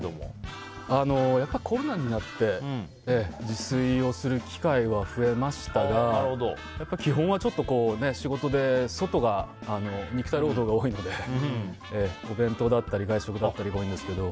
やっぱりコロナになって自炊をする機会は増えましたがやっぱ、基本は仕事で外が肉体労働が多いので、お弁当だったり外食だったりが多いんですけど。